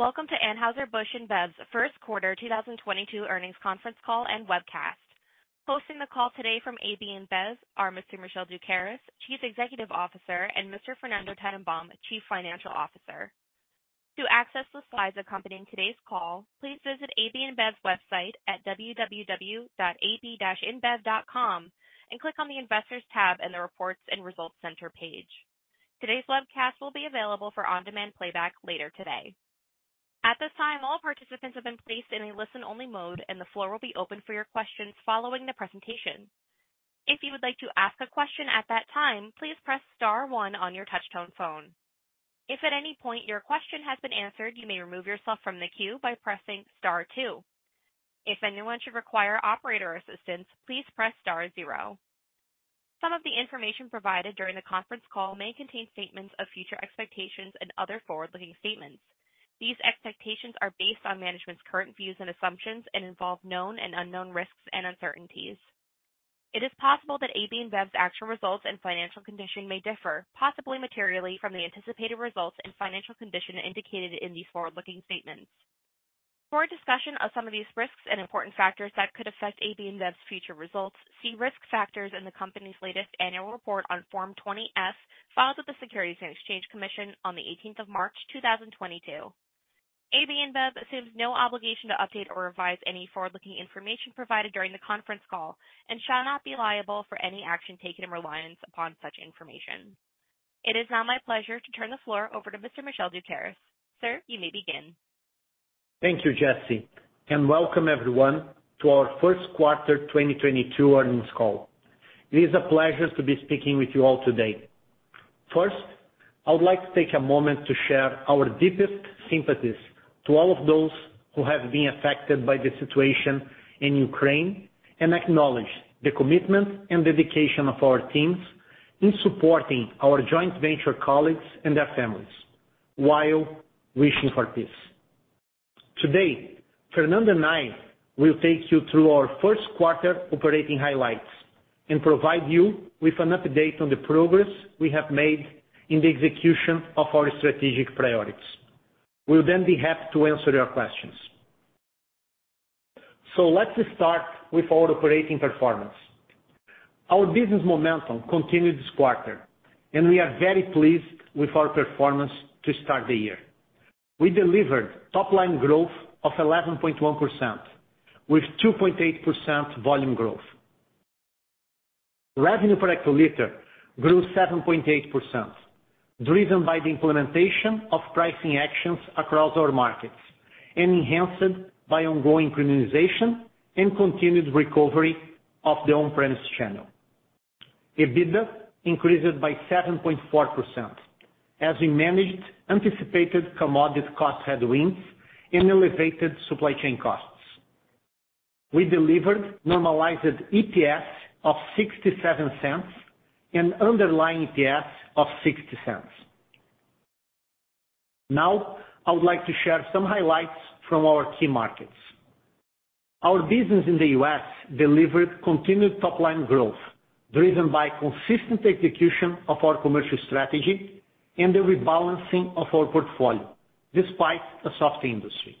Welcome to Anheuser-Busch InBev's first quarter 2022 earnings conference call and webcast. Hosting the call today from AB InBev are Mr. Michel Doukeris, Chief Executive Officer, and Mr. Fernando Tennenbaum, Chief Financial Officer. To access the slides accompanying today's call, please visit AB InBev's website at www.ab-inbev.com and click on the Investors tab in the Reports and Results Center page. Today's webcast will be available for on-demand playback later today. At this time, all participants have been placed in a listen-only mode, and the floor will be open for your questions following the presentation. If you would like to ask a question at that time, please press star one on your touchtone phone. If at any point your question has been answered, you may remove yourself from the queue by pressing star two. If anyone should require operator assistance, please press star zero. Some of the information provided during the conference call may contain statements of future expectations and other forward-looking statements. These expectations are based on management's current views and assumptions and involve known and unknown risks and uncertainties. It is possible that AB InBev's actual results and financial condition may differ, possibly materially, from the anticipated results and financial condition indicated in these forward-looking statements. For a discussion of some of these risks and important factors that could affect AB InBev's future results, see Risk Factors in the company's latest annual report on Form 20-F, filed with the Securities and Exchange Commission on the eighteenth of March two thousand twenty-two. AB InBev assumes no obligation to update or revise any forward-looking information provided during the conference call and shall not be liable for any action taken in reliance upon such information. It is now my pleasure to turn the floor over to Mr. Michel Doukeris. Sir, you may begin. Thank you, Jesse, and welcome everyone to our first quarter 2022 earnings call. It is a pleasure to be speaking with you all today. First, I would like to take a moment to share our deepest sympathies to all of those who have been affected by the situation in Ukraine and acknowledge the commitment and dedication of our teams in supporting our joint venture colleagues and their families while wishing for peace. Today, Fernando and I will take you through our first quarter operating highlights and provide you with an update on the progress we have made in the execution of our strategic priorities. We'll then be happy to answer your questions. Let us start with our operating performance. Our business momentum continued this quarter, and we are very pleased with our performance to start the year. We delivered top-line growth of 11.1% with 2.8% volume growth. Revenue per hectoliter grew 7.8%, driven by the implementation of pricing actions across our markets and enhanced by ongoing premiumization and continued recovery of the on-premise channel. EBITDA increased by 7.4% as we managed anticipated commodity cost headwinds and elevated supply chain costs. We delivered normalized EPS of $0.67 and underlying EPS of $0.60. Now I would like to share some highlights from our key markets. Our business in the U.S. delivered continued top-line growth, driven by consistent execution of our commercial strategy and the rebalancing of our portfolio despite a soft industry.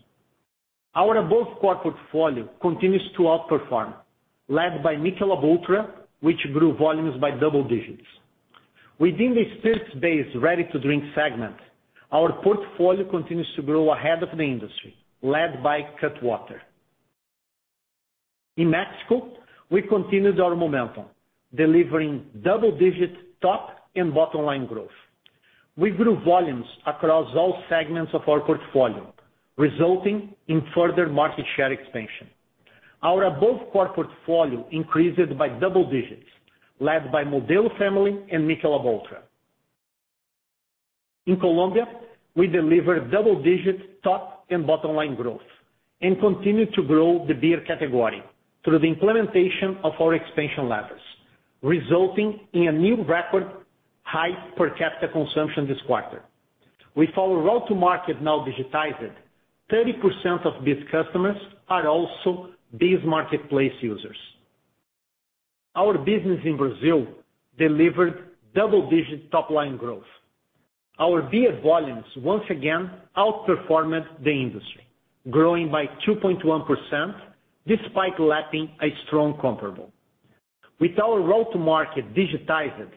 Our above core portfolio continues to outperform, led by Michelob ULTRA, which grew volumes by double digits. Within the spirits-based ready-to-drink segment, our portfolio continues to grow ahead of the industry, led by Cutwater. In Mexico, we continued our momentum, delivering double-digit top and bottom-line growth. We grew volumes across all segments of our portfolio, resulting in further market share expansion. Our above core portfolio increased by double digits, led by Modelo Family and Michelob ULTRA. In Colombia, we delivered double-digit top and bottom-line growth and continued to grow the beer category through the implementation of our expansion levers, resulting in a new record high per capita consumption this quarter. With our go-to-market now digitized, 30% of these customers are also BEES marketplace users. Our business in Brazil delivered double-digit top-line growth. Our beer volumes once again outperformed the industry, growing by 2.1% despite lapping a strong comparable. With our go-to-market digitized,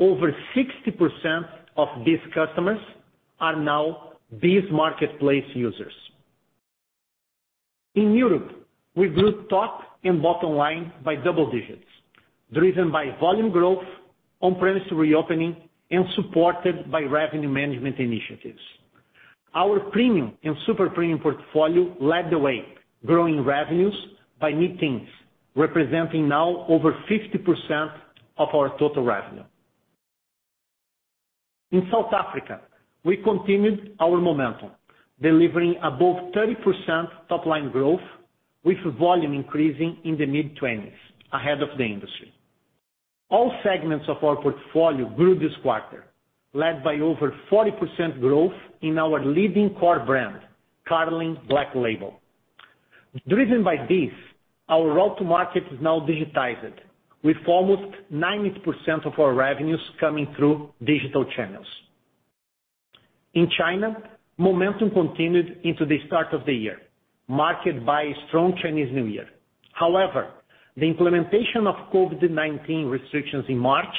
over 60% of these customers are now BEES marketplace users. In Europe, we grew top and bottom line by double digits, driven by volume growth, on-premise reopening, and supported by revenue management initiatives. Our premium and super-premium portfolio led the way, growing revenues by mid-teens, representing now over 50% of our total revenue. In South Africa, we continued our momentum, delivering above 30% top-line growth with volume increasing in the mid-20s ahead of the industry. All segments of our portfolio grew this quarter, led by over 40% growth in our leading core brand, Carling Black Label. Driven by this, our route to market is now digitized, with almost 90% of our revenues coming through digital channels. In China, momentum continued into the start of the year, marked by a strong Chinese New Year. However, the implementation of COVID-19 restrictions in March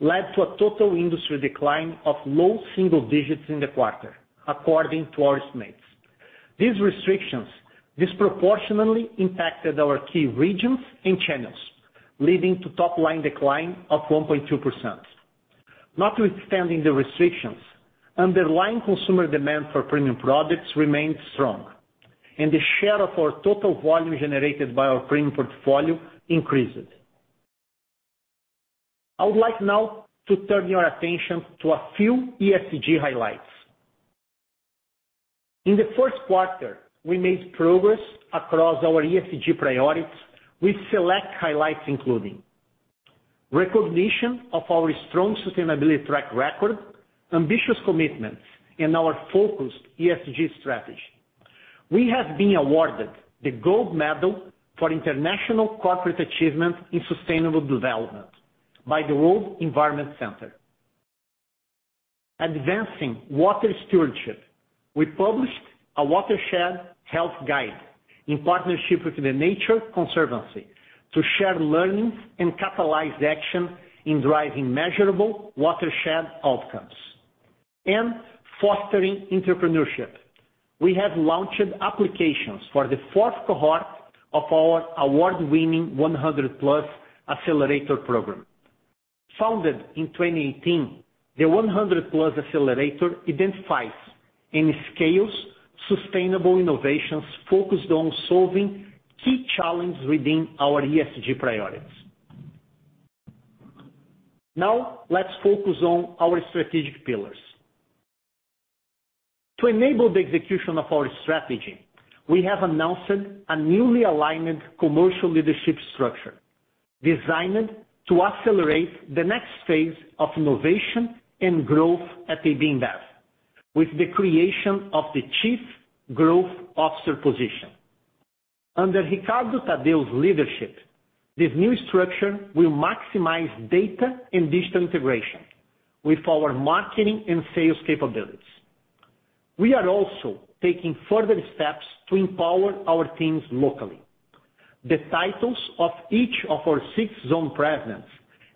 led to a total industry decline of low single digits in the quarter according to our estimates. These restrictions disproportionately impacted our key regions and channels, leading to top line decline of 1.2%. Notwithstanding the restrictions, underlying consumer demand for premium products remained strong, and the share of our total volume generated by our premium portfolio increased. I would like now to turn your attention to a few ESG highlights. In the first quarter, we made progress across our ESG priorities, with select highlights including recognition of our strong sustainability track record, ambitious commitments, and our focused ESG strategy. We have been awarded the Gold Medal for International Corporate Achievement in Sustainable Development by the World Environment Center. Advancing water stewardship. We published a Watershed Health Guide in partnership with The Nature Conservancy to share learnings and catalyze action in driving measurable watershed outcomes and fostering entrepreneurship. We have launched applications for the fourth cohort of our award-winning One Hundred Plus accelerator program. Founded in 2018, the One Hundred Plus accelerator identifies and scales sustainable innovations focused on solving key challenges within our ESG priorities. Now let's focus on our strategic pillars. To enable the execution of our strategy, we have announced a newly aligned commercial leadership structure designed to accelerate the next phase of innovation and growth at AB InBev, with the creation of the chief growth officer position. Under Ricardo Tadeu's leadership, this new structure will maximize data and digital integration with our marketing and sales capabilities. We are also taking further steps to empower our teams locally. The titles of each of our six zone presidents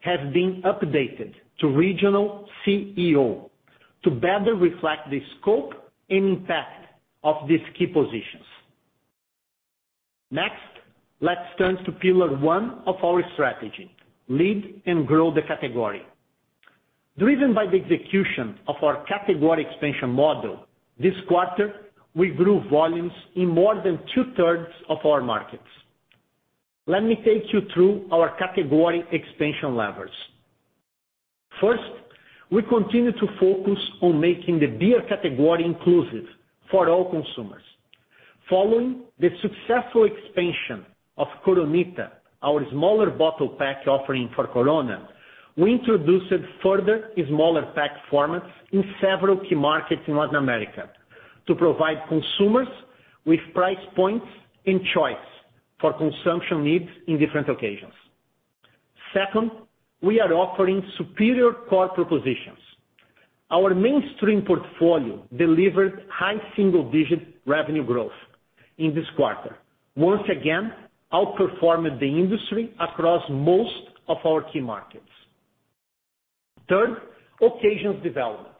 have been updated to regional CEO to better reflect the scope and impact of these key positions. Next, let's turn to pillar one of our strategy, lead and grow the category. Driven by the execution of our category expansion model, this quarter we grew volumes in more than two-thirds of our markets. Let me take you through our category expansion levers. First, we continue to focus on making the beer category inclusive for all consumers. Following the successful expansion of Coronita, our smaller bottle pack offering for Corona, we introduced further smaller pack formats in several key markets in Latin America to provide consumers with price points and choice for consumption needs in different occasions. Second, we are offering superior core propositions. Our mainstream portfolio delivered high single-digit revenue growth in this quarter, once again outperforming the industry across most of our key markets. Third, occasions development.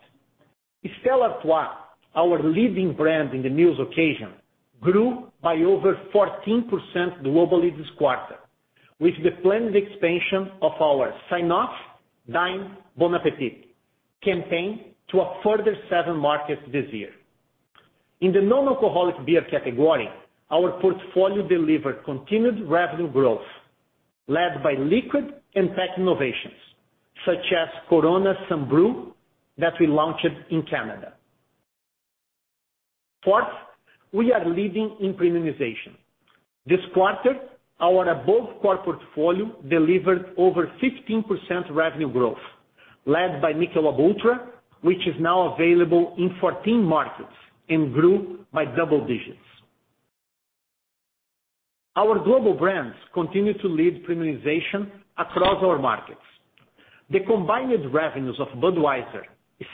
Stella Artois, our leading brand in the meals occasion, grew by over 14% globally this quarter, with the planned expansion of our Sign Off, Dine, Bon Appétit campaign to a further 7 markets this year. In the non-alcoholic beer category, our portfolio delivered continued revenue growth led by liquid and pack innovations, such as Corona Sunbrew that we launched in Canada. Fourth, we are leading in premiumization. This quarter, our above core portfolio delivered over 15% revenue growth led by Michelob ULTRA, which is now available in 14 markets and grew by double digits. Our global brands continue to lead premiumization across our markets. The combined revenues of Budweiser,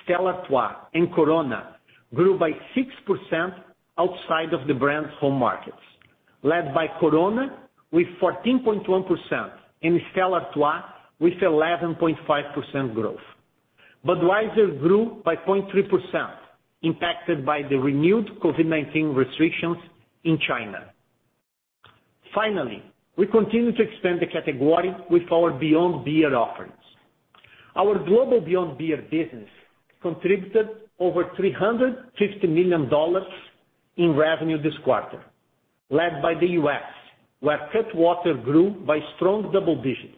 Stella Artois, and Corona grew by 6% outside of the brand's home markets, led by Corona with 14.1% and Stella Artois with 11.5% growth. Budweiser grew by 0.3%, impacted by the renewed COVID-19 restrictions in China. Finally, we continue to expand the category with our beyond beer offerings. Our global beyond beer business contributed over $350 million in revenue this quarter, led by the US, where Cutwater grew by strong double digits,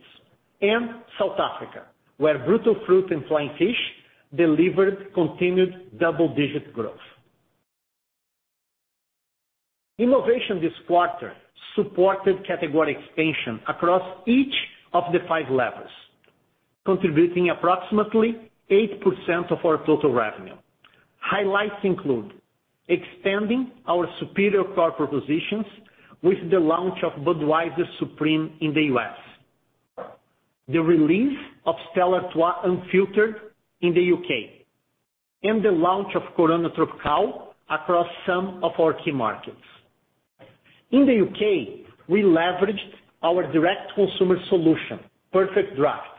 and South Africa, where Brutal Fruit and Flying Fish delivered continued double-digit growth. Innovation this quarter supported category expansion across each of the five levers, contributing approximately 8% of our total revenue. Highlights include expanding our superior core propositions with the launch of Budweiser Supreme in the U.S., the release of Stella Artois Unfiltered in the U.K., and the launch of Corona Tropical across some of our key markets. In the U.K., we leveraged our direct consumer solution, PerfectDraft,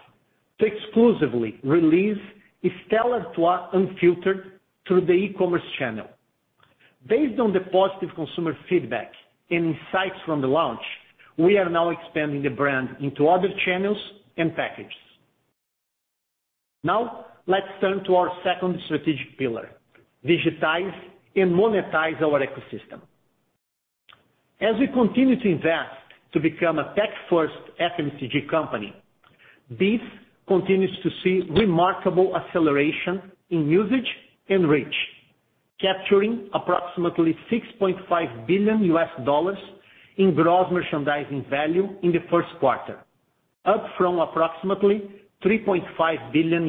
to exclusively release Stella Artois Unfiltered through the e-commerce channel. Based on the positive consumer feedback and insights from the launch, we are now expanding the brand into other channels and packages. Now, let's turn to our second strategic pillar, digitize and monetize our ecosystem. As we continue to invest to become a tech-first FMCG company, BEES continues to see remarkable acceleration in usage and reach, capturing approximately $6.5 billion in gross merchandising value in the first quarter, up from approximately $3.5 billion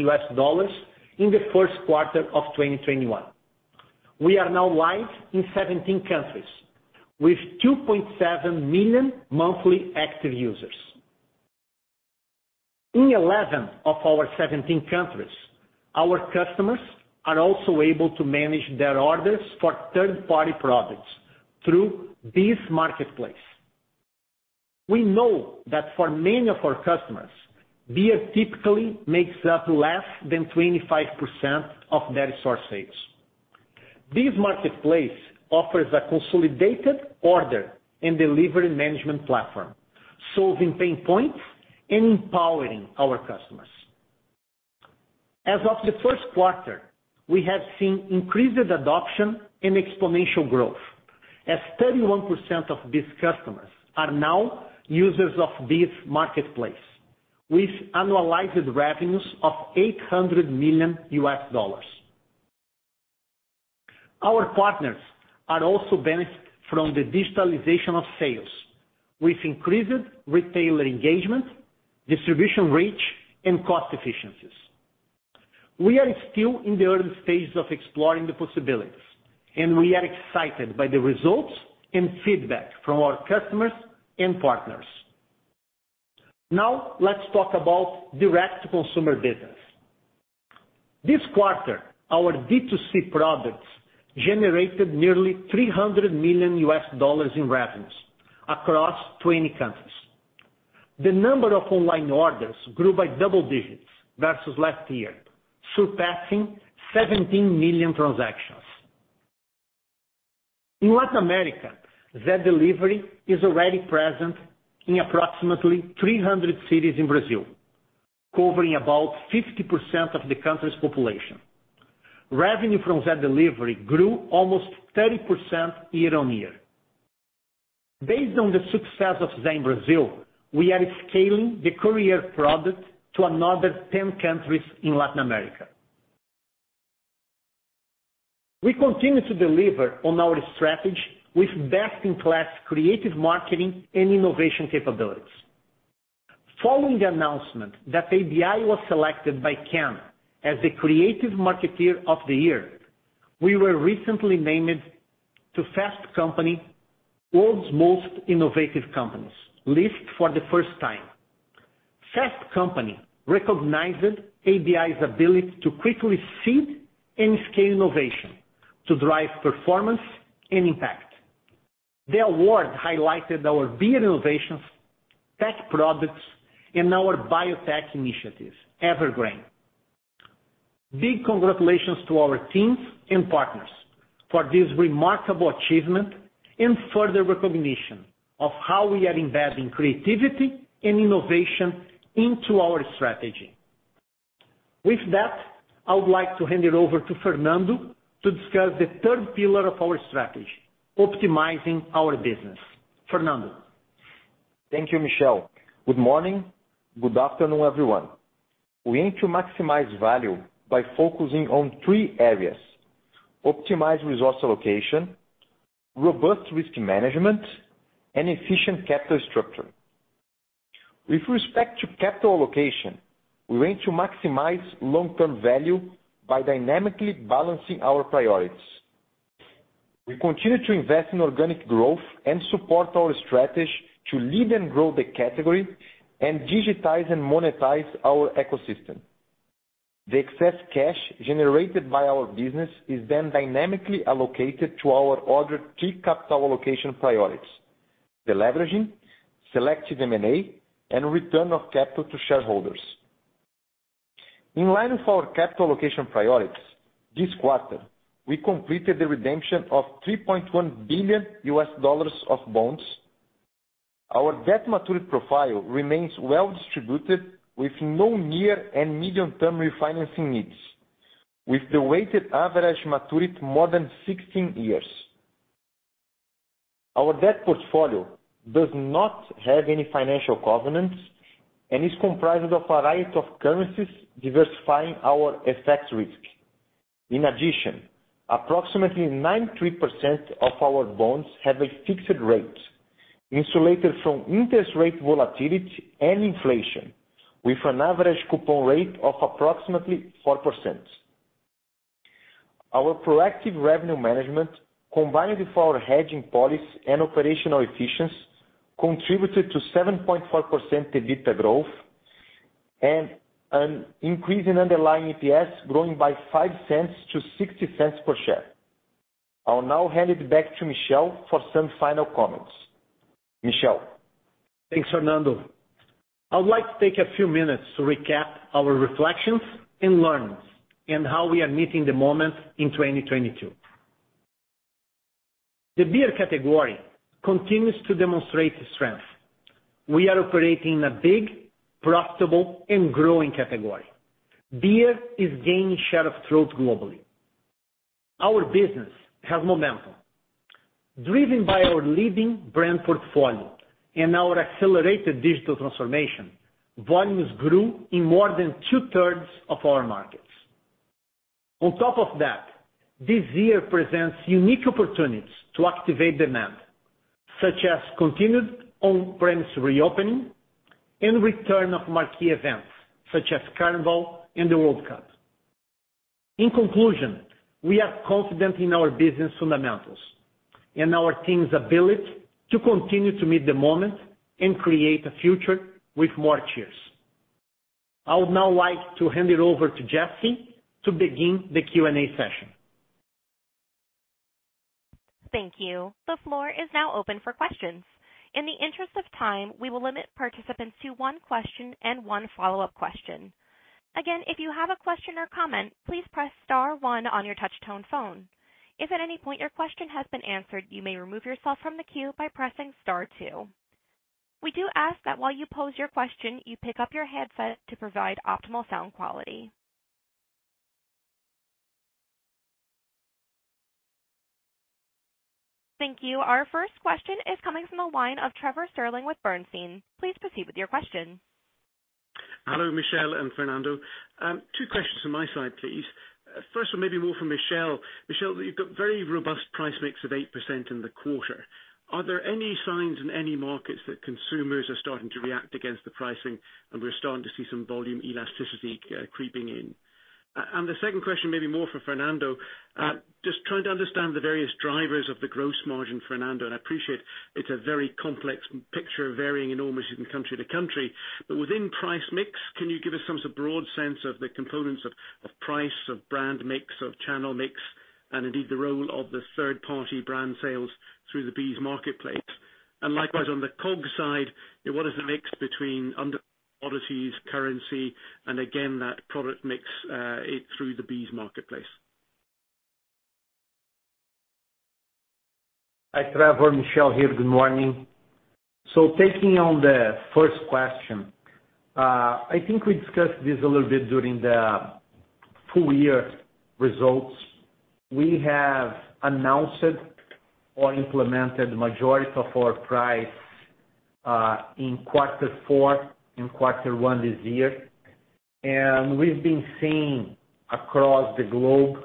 in the first quarter of 2021. We are now live in 17 countries with 2.7 million monthly active users. In 11 of our 17 countries, our customers are also able to manage their orders for third-party products through this marketplace. We know that for many of our customers, beer typically makes up less than 25% of their source sales. This marketplace offers a consolidated order and delivery management platform, solving pain points and empowering our customers. As of the first quarter, we have seen increased adoption and exponential growth as 31% of these customers are now users of this marketplace with annualized revenues of $800 million. Our partners are also benefited from the digitalization of sales with increased retailer engagement, distribution reach, and cost efficiencies. We are still in the early stages of exploring the possibilities, and we are excited by the results and feedback from our customers and partners. Now, let's talk about direct-to-consumer business. This quarter, our D2C products generated nearly $300 million in revenues across 20 countries. The number of online orders grew by double digits versus last year, surpassing 17 million transactions. In Latin America, Zé Delivery is already present in approximately 300 cities in Brazil, covering about 50% of the country's population. Revenue from Zé Delivery grew almost 30% year-on-year. Based on the success of Zé Delivery in Brazil, we are scaling the courier product to another 10 countries in Latin America. We continue to deliver on our strategy with best-in-class creative marketing and innovation capabilities. Following the announcement that ABI was selected by Cannes as the creative marketer of the year, we were recently named to Fast Company World's Most Innovative Companies list for the first time. Fast Company recognized ABI's ability to quickly seed and scale innovation to drive performance and impact. The award highlighted our beer innovations, tech products, and our biotech initiatives, EverGrain. Big congratulations to our teams and partners for this remarkable achievement and further recognition of how we are investing creativity and innovation into our strategy. With that, I would like to hand it over to Fernando to discuss the third pillar of our strategy, optimizing our business. Fernando. Thank you, Michel. Good morning. Good afternoon, everyone. We aim to maximize value by focusing on three areas, optimized resource allocation, robust risk management, and efficient capital structure. With respect to capital allocation, we aim to maximize long-term value by dynamically balancing our priorities. We continue to invest in organic growth and support our strategy to lead and grow the category and digitize and monetize our ecosystem. The excess cash generated by our business is then dynamically allocated to our other key capital allocation priorities, deleveraging, selected M&A, and return of capital to shareholders. In line with our capital allocation priorities, this quarter, we completed the redemption of $3.1 billion of bonds. Our debt maturity profile remains well distributed with no near and medium-term refinancing needs, with the weighted average maturity more than 16 years. Our debt portfolio does not have any financial covenants and is comprised of a variety of currencies diversifying our FX risk. In addition, approximately 93% of our bonds have a fixed rate. Insulated from interest rate volatility and inflation with an average coupon rate of approximately 4%. Our proactive revenue management, combined with our hedging policy and operational efficiency, contributed to 7.4% EBITDA growth and an increase in underlying EPS growing by $0.05 to $0.60 per share. I'll now hand it back to Michel for some final comments. Michel? Thanks, Fernando. I would like to take a few minutes to recap our reflections and learnings and how we are meeting the moment in 2022. The beer category continues to demonstrate strength. We are operating in a big, profitable, and growing category. Beer is gaining share of throat globally. Our business has momentum. Driven by our leading brand portfolio and our accelerated digital transformation, volumes grew in more than two-thirds of our markets. On top of that, this year presents unique opportunities to activate demand, such as continued on-premise reopening and return of marquee events such as Carnival and the World Cup. In conclusion, we are confident in our business fundamentals and our team's ability to continue to meet the moment and create a future with more cheers. I would now like to hand it over to Jesse to begin the Q&A session. Thank you. The floor is now open for questions. In the interest of time, we will limit participants to one question and one follow-up question. Again, if you have a question or comment, please press star one on your touch tone phone. If at any point your question has been answered, you may remove yourself from the queue by pressing star two. We do ask that while you pose your question, you pick up your headset to provide optimal sound quality. Thank you. Our first question is coming from the line of Trevor Stirling with Bernstein. Please proceed with your question. Hello, Michel and Fernando. Two questions from my side, please. First one may be more for Michel. Michel, you've got very robust price mix of 8% in the quarter. Are there any signs in any markets that consumers are starting to react against the pricing and we're starting to see some volume elasticity creeping in? The second question, maybe more for Fernando. Just trying to understand the various drivers of the gross margin, Fernando, and I appreciate it's a very complex picture varying enormously from country to country. Within price mix, can you give us some sort of broad sense of the components of price, of brand mix, of channel mix, and indeed the role of the third-party brand sales through the BEES marketplace? Likewise, on the COGS side, what is the mix between under commodities, currency and again, that product mix through the BEES marketplace? Hi, Trevor, Michel here. Good morning. Taking on the first question, I think we discussed this a little bit during the full year results. We have announced or implemented majority of our price in quarter four and quarter one this year. We've been seeing across the globe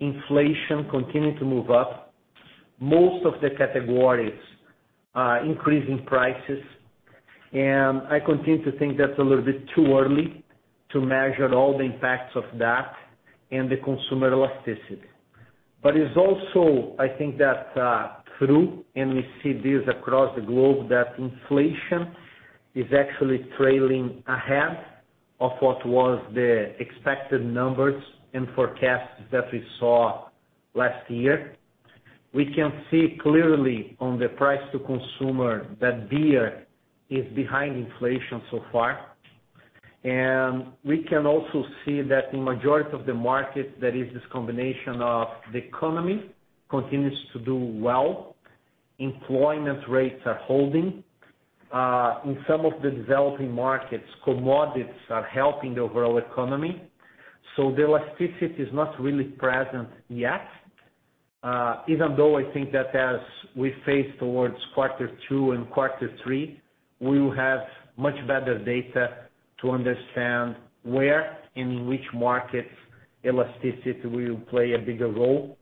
inflation continuing to move up. Most of the categories are increasing prices. I continue to think that's a little bit too early to measure all the impacts of that and the consumer elasticity. It's also I think that true, and we see this across the globe, that inflation is actually trailing ahead of what was the expected numbers and forecasts that we saw last year. We can see clearly on the price to consumer that beer is behind inflation so far. We can also see that the majority of the market, that is this combination of the economy continues to do well. Employment rates are holding. In some of the developing markets, commodities are helping the overall economy, so the elasticity is not really present yet. Even though I think that as we face towards quarter two and quarter three, we will have much better data to understand where and in which markets elasticity will play a bigger role.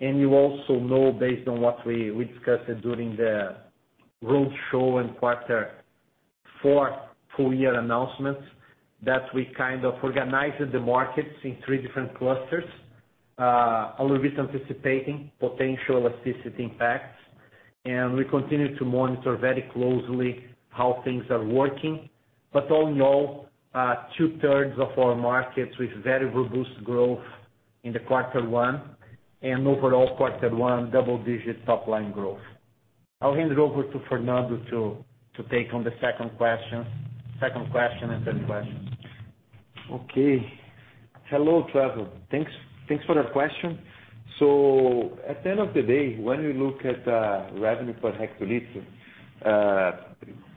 You also know based on what we discussed during the roadshow in quarter four full year announcements, that we kind of organized the markets in three different clusters, a little bit anticipating potential elasticity impacts. We continue to monitor very closely how things are working. All in all, two-thirds of our markets with very robust growth in the quarter one, and overall quarter one double-digit top-line growth. I'll hand it over to Fernando to take on the second question and third question. Okay. Hello, Trevor. Thanks for the question. At the end of the day, when you look at revenue per hectoliter,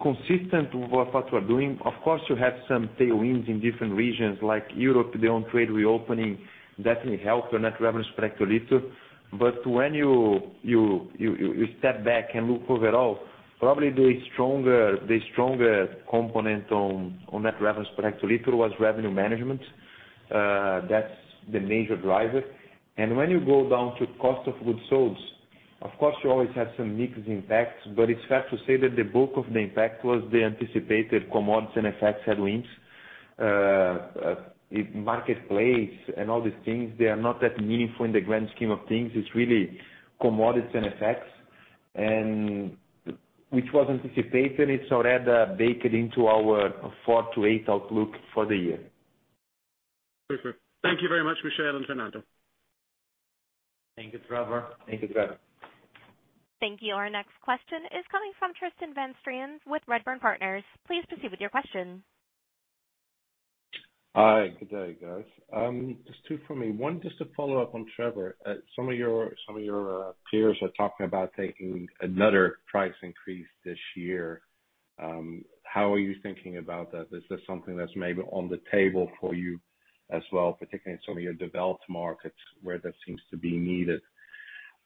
consistent with what you are doing, of course, you have some tailwinds in different regions like Europe, the on-trade reopening definitely help your net revenue per hectoliter. But when you step back and look overall, probably the stronger component on net revenue per hectoliter was revenue management. That's the major driver. When you go down to cost of goods sold, of course, you always have some mixed impacts, but it's fair to say that the bulk of the impact was the anticipated commodities and FX headwinds. Marketplace and all these things, they are not that meaningful in the grand scheme of things. It's really commodities and FX, and which was anticipated. It's already baked into our 4%-8% outlook for the year. Super. Thank you very much, Michel and Fernando. Thank you, Trevor. Thank you, Trevor. Thank you. Our next question is coming from Tristan van Strien with Redburn Atlantic. Please proceed with your question. Hi. Good day, guys. Just two for me. One, just to follow up on Trevor. Some of your peers are talking about taking another price increase this year. How are you thinking about that? Is this something that's maybe on the table for you as well, particularly in some of your developed markets where that seems to be needed?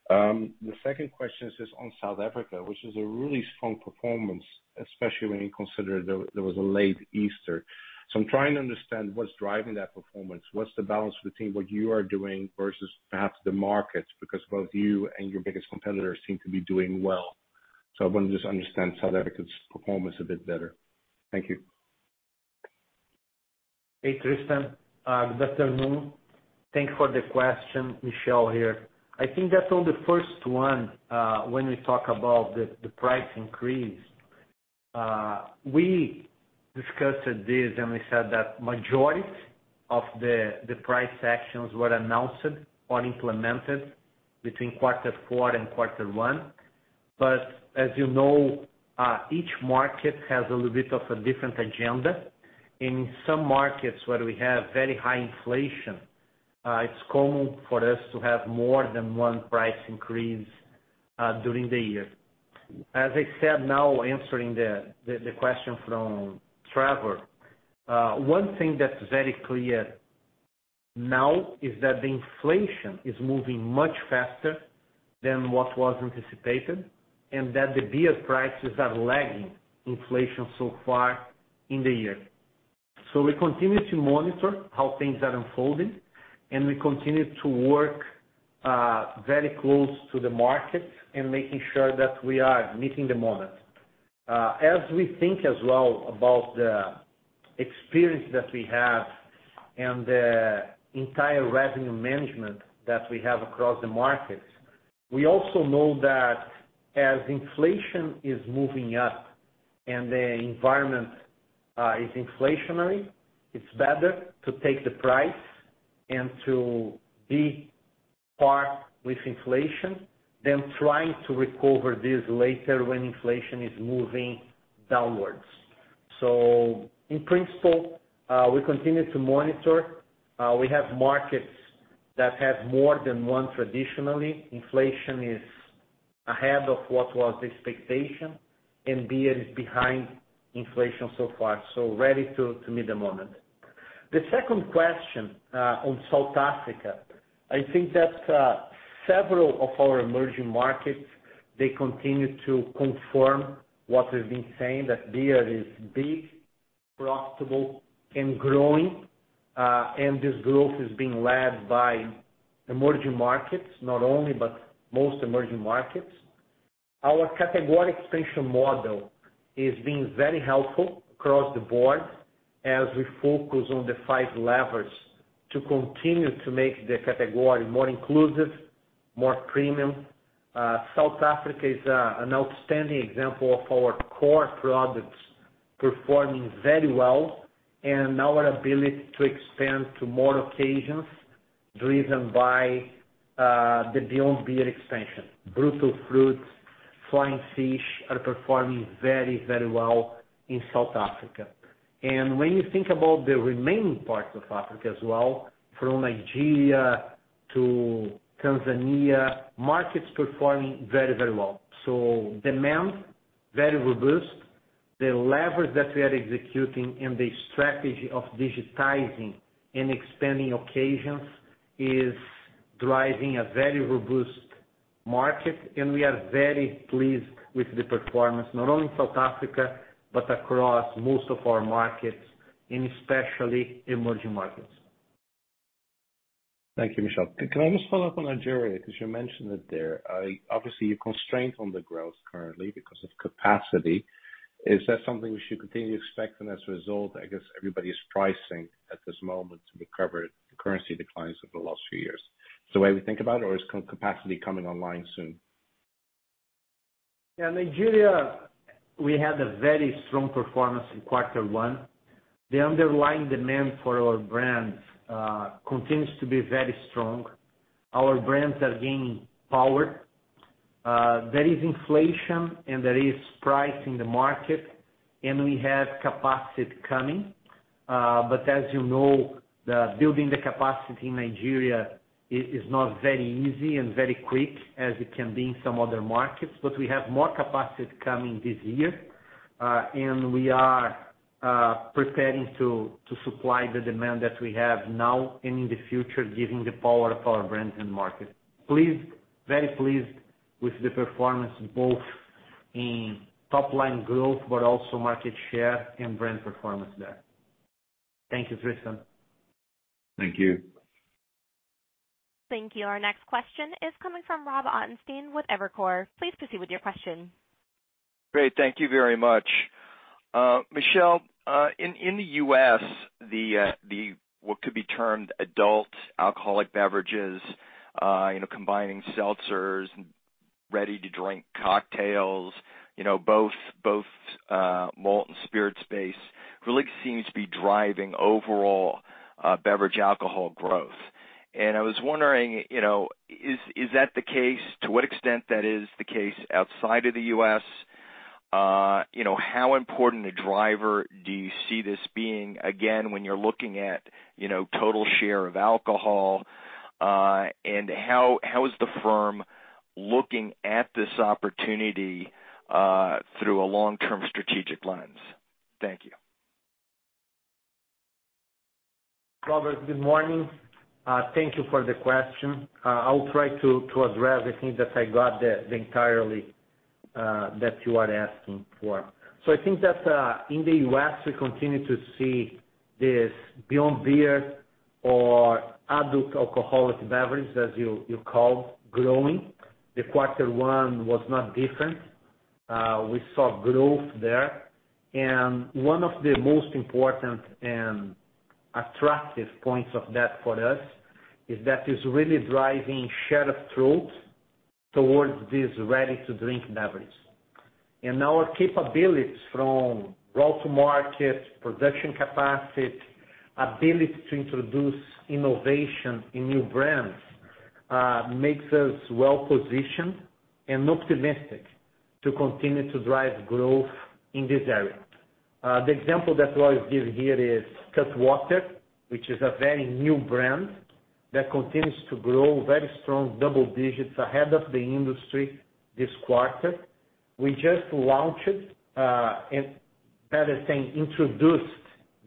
The second question is on South Africa, which is a really strong performance, especially when you consider there was a late Easter. I'm trying to understand what's driving that performance. What's the balance between what you are doing versus perhaps the markets, because both you and your biggest competitors seem to be doing well. I wanna just understand South Africa's performance a bit better. Thank you. Hey, Tristan. Good afternoon. Thank you for the question. Michel here. I think that on the first one, when we talk about the price increase, we discussed this, and we said that majority of the price actions were announced or implemented between quarter four and quarter one. As you know, each market has a little bit of a different agenda. In some markets where we have very high inflation, it's common for us to have more than one price increase during the year. As I said, now answering the question from Trevor, one thing that's very clear now is that the inflation is moving much faster than what was anticipated, and that the beer prices are lagging inflation so far in the year. We continue to monitor how things are unfolding, and we continue to work very close to the market and making sure that we are meeting the moment. As we think as well about the experience that we have and the entire revenue management that we have across the markets, we also know that as inflation is moving up and the environment is inflationary, it's better to take the price and to be par with inflation than trying to recover this later when inflation is moving downwards. In principle, we continue to monitor. We have markets that have more than one traditionally. Inflation is ahead of what was the expectation, and beer is behind inflation so far, so ready to meet the moment. The second question on South Africa, I think that several of our emerging markets, they continue to confirm what we've been saying, that beer is big, profitable, and growing, and this growth is being led by emerging markets, not only but most emerging markets. Our category expansion model is being very helpful across the board as we focus on the five levers to continue to make the category more inclusive, more premium. South Africa is an outstanding example of our core products performing very well and our ability to expand to more occasions driven by the Beyond Beer expansion. Brutal Fruit, Flying Fish are performing very, very well in South Africa. When you think about the remaining parts of Africa as well, from Nigeria to Tanzania, markets performing very, very well. Demand, very robust. The leverage that we are executing and the strategy of digitizing and expanding occasions is driving a very robust market, and we are very pleased with the performance, not only in South Africa, but across most of our markets, and especially emerging markets. Thank you, Michel. Can I just follow up on Nigeria, 'cause you mentioned it there. Obviously, you're constrained on the growth currently because of capacity. Is that something we should continue to expect? As a result, I guess everybody's pricing at this moment to recover the currency declines over the last few years. Is the way we think about it, or is capacity coming online soon? Yeah. Nigeria, we had a very strong performance in quarter one. The underlying demand for our brands continues to be very strong. Our brands are gaining power. There is inflation and there is pricing in the market, and we have capacity coming. But as you know, building the capacity in Nigeria is not very easy and very quick as it can be in some other markets. But we have more capacity coming this year, and we are preparing to supply the demand that we have now and in the future, given the power of our brands in the market. Pleased, very pleased with the performance both in top line growth, but also market share and brand performance there. Thank you, Tristan. Thank you. Thank you. Our next question is coming from Rob Ottenstein with Evercore. Please proceed with your question. Great. Thank you very much. Michel, in the U.S., what could be termed adult alcoholic beverages, you know, combining seltzers and ready-to-drink cocktails, you know, both malt and spirits space really seems to be driving overall beverage alcohol growth. I was wondering, you know, is that the case? To what extent that is the case outside of the U.S.? You know, how important a driver do you see this being, again, when you're looking at, you know, total share of alcohol? How is the firm looking at this opportunity through a long-term strategic lens? Thank you. Robert, good morning. Thank you for the question. I'll try to address. I think that I got the entirety that you are asking for. I think that in the US, we continue to see this beyond beer or adult alcoholic beverage, as you called, growing. The quarter one was not different. We saw growth there. One of the most important and attractive points of that for us is that it's really driving share of throat towards these ready-to-drink beverage. Our capabilities from go-to-market, production capacity, ability to introduce innovation in new brands makes us well positioned and optimistic to continue to drive growth in this area. The example that Brendan Whitworth gave here is Cutwater, which is a very new brand that continues to grow very strong double digits ahead of the industry this quarter. We just introduced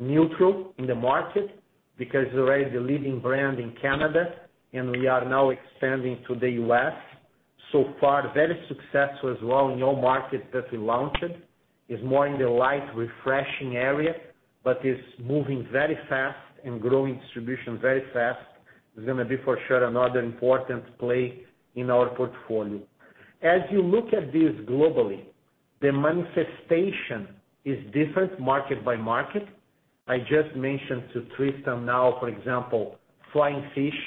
NÜTRL in the market because it's already the leading brand in Canada, and we are now expanding to the U.S. So far, very successful as well in all markets that we launched. It's more in the light, refreshing area, but it's moving very fast and growing distribution very fast. It's gonna be for sure another important play in our portfolio. As you look at this globally, the manifestation is different market by market. I just mentioned to Tristan now, for example, Flying Fish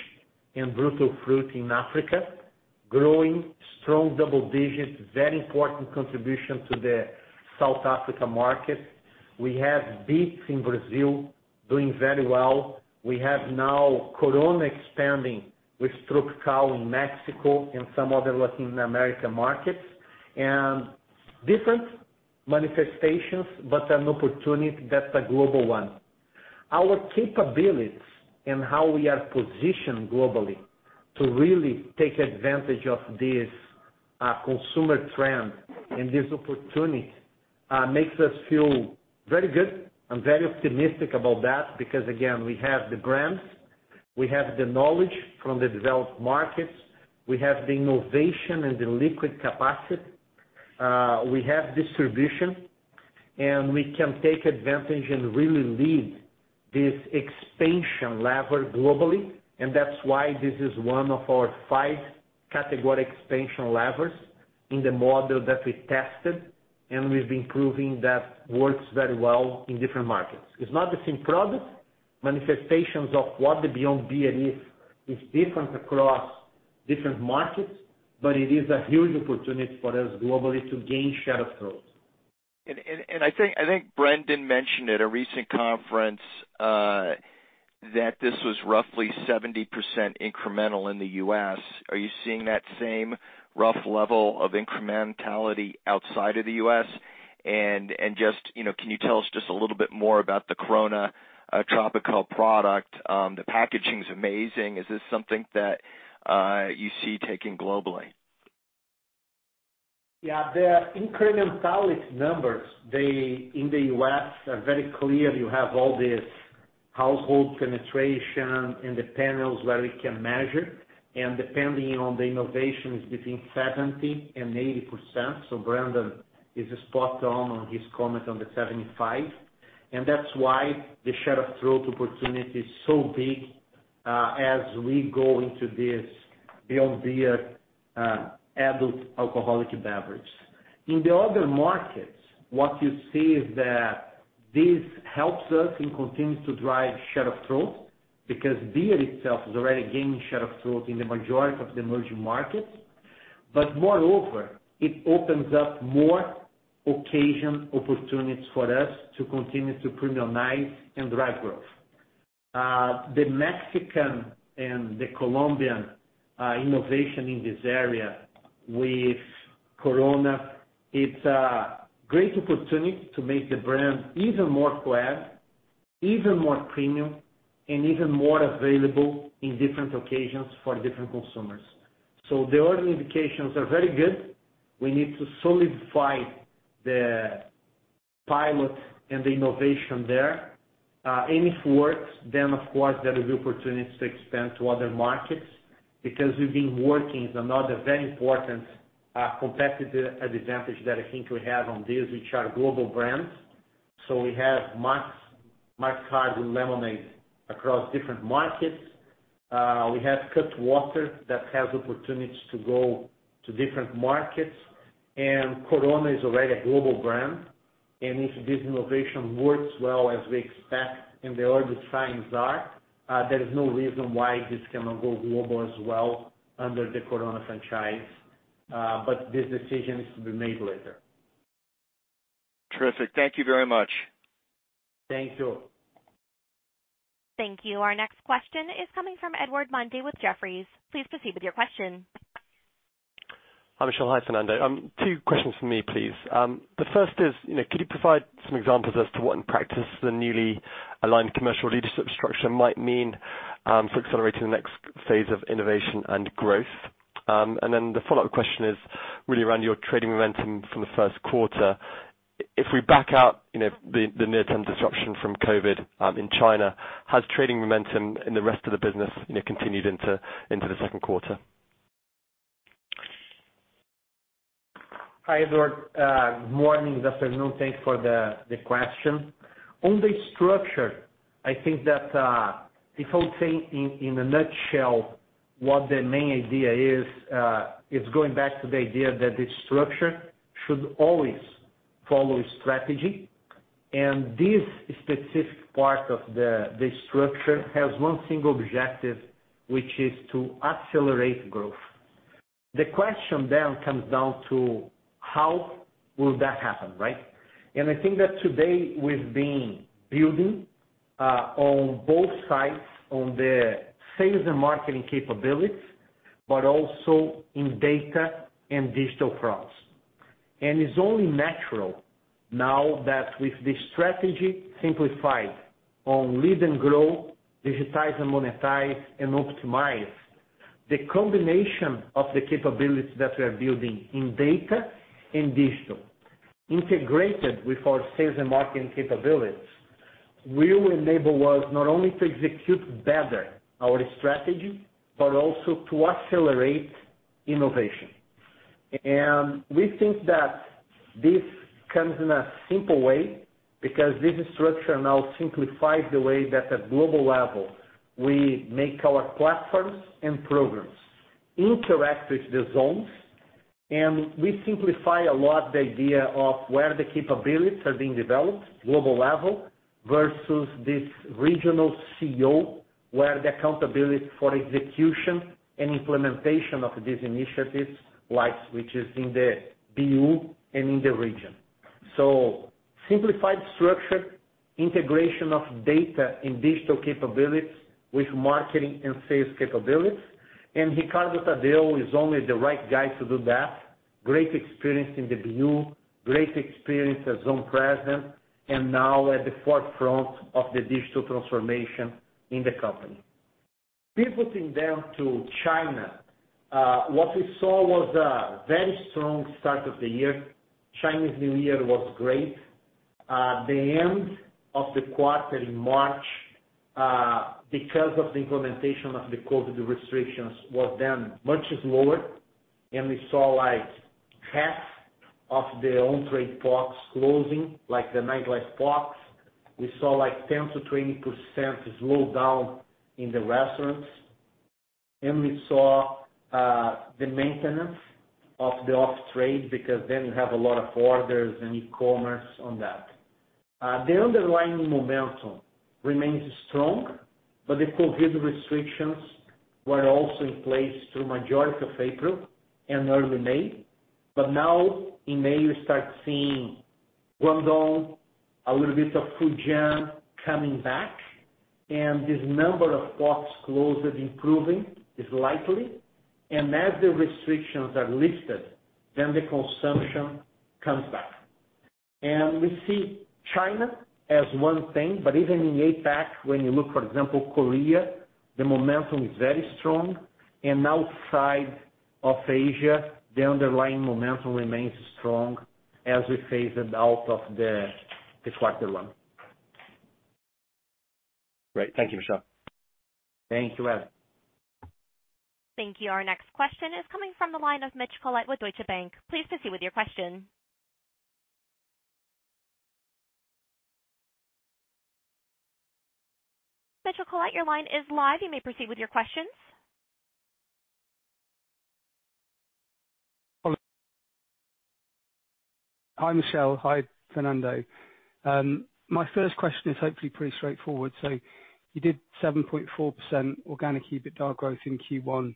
and Brutal Fruit in Africa, growing strong double digits, very important contribution to the South Africa market. We have Beats in Brazil doing very well. We have now Corona expanding with Corona Tropical in Mexico and some other Latin America markets. Different manifestations, but an opportunity that's a global one. Our capabilities and how we are positioned globally to really take advantage of this consumer trend and this opportunity makes us feel very good and very optimistic about that because, again, we have the brands, we have the knowledge from the developed markets, we have the innovation and the liquid capacity, we have distribution, and we can take advantage and really lead this expansion lever globally. That's why this is one of our five category expansion levers in the model that we tested, and we've been proving that works very well in different markets. It's not the same product. Manifestations of what the beyond beer is different across different markets, but it is a huge opportunity for us globally to gain share of growth. I think Brendan mentioned at a recent conference that this was roughly 70% incremental in the U.S. Are you seeing that same rough level of incrementality outside of the U.S.? Just, you know, can you tell us just a little bit more about the Corona Tropical product? The packaging is amazing. Is this something that you see taking globally? Yeah. The incrementality numbers, they in the US are very clear. You have all this household penetration in the panels where we can measure, and depending on the innovation, is between 70%-80%. Brendan is spot on his comment on the 75. That's why the share of throat opportunity is so big, as we go into this beyond beer, adult alcoholic beverage. In the other markets, what you see is that this helps us and continues to drive share of throat because beer itself is already gaining share of throat in the majority of the emerging markets. Moreover, it opens up more occasion opportunities for us to continue to premiumize and drive growth. The Mexican and the Colombian innovation in this area with Corona, it's a great opportunity to make the brand even more global, even more premium, and even more available in different occasions for different consumers. The early indications are very good. We need to solidify the pilot and the innovation there, and if it works, then of course, there is opportunity to expand to other markets because we've been working on another very important, competitive advantage that I think we have on this, which are global brands. We have Max, Mike's Hard Lemonade across different markets. We have Cutwater that has opportunities to go to different markets, and Corona is already a global brand. If this innovation works well as we expect, and the signs are, there is no reason why this cannot go global as well under the Corona franchise. This decision is to be made later. Terrific. Thank you very much. Thank you. Thank you. Our next question is coming from Edward Mundy with Jefferies. Please proceed with your question. Hi, Michel. Hi, Fernando. Two questions from me, please. The first is, you know, could you provide some examples as to what in practice the newly aligned commercial leadership structure might mean for accelerating the next phase of innovation and growth? And then the follow-up question is really around your trading momentum from the first quarter. If we back out, you know, the near term disruption from COVID in China, has trading momentum in the rest of the business, you know, continued into the second quarter? Hi, Edward. Good morning, this afternoon. Thanks for the question. On the structure, I think that if I would say in a nutshell what the main idea is, it's going back to the idea that the structure should always follow strategy. This specific part of the structure has one single objective, which is to accelerate growth. The question then comes down to how will that happen, right? I think that today we've been building on both sides on the sales and marketing capabilities, but also in data and digital fronts. It's only natural now that with this strategy simplified on lead and grow, digitize and monetize and optimize, the combination of the capabilities that we're building in data and digital integrated with our sales and marketing capabilities will enable us not only to execute better our strategy, but also to accelerate innovation. We think that this comes in a simple way because this structure now simplifies the way that at global level we make our platforms and programs interact with the zones, and we simplify a lot the idea of where the capabilities are being developed, global level, versus this regional CEO, where the accountability for execution and implementation of these initiatives lies, which is in the BU and in the region. Simplified structure, integration of data and digital capabilities with marketing and sales capabilities, and Ricardo Tadeu is only the right guy to do that. Great experience in the BU, great experience as zone president, and now at the forefront of the digital transformation in the company. Pivoting down to China, what we saw was a very strong start of the year. Chinese New Year was great. The end of the quarter in March, because of the implementation of the COVID restrictions, was then much lower. We saw, like, half of their on-trade parks closing, like the nightlife parks. We saw, like, 10%-20% slowdown in the restaurants. We saw the maintenance of the off-trade because then you have a lot of orders and e-commerce on that. The underlying momentum remains strong, but the COVID restrictions were also in place through majority of April and early May. Now, in May we start seeing Guangdong, a little bit of Fujian coming back, and this number of parks closed improving is likely. As the restrictions are lifted, then the consumption comes back. We see China as one thing, but even in APAC, when you look, for example, Korea, the momentum is very strong. Outside of Asia, the underlying momentum remains strong as we phase it out of the quarter one. Great. Thank you, Michel. Thank you, Edward. Thank you. Our next question is coming from the line of Mitch Collett with Deutsche Bank. Please proceed with your question. Mitch Collett, your line is live. You may proceed with your questions. Hi, Michel. Hi, Fernando. My first question is hopefully pretty straightforward. You did 7.4% organic EBITDA growth in Q1,